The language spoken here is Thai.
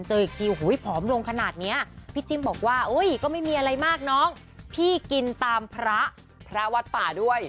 อีกทีผอมลงขนาดนี้พี่จิ้มบอกว่าก็ไม่มีอะไรมากน้องพี่กินตามพระพระวัดป่าด้วย